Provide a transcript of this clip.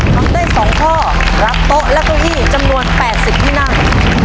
ทำได้๒ข้อรับโต๊ะและเก้าอี้จำนวน๘๐ที่นั่ง